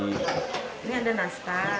ini ada nastar